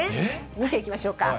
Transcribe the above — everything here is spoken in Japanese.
ではいきましょうか。